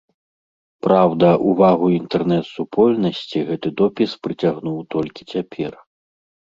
Праўда, увагу інтэрнэт-супольнасці гэты допіс прыцягнуў толькі цяпер.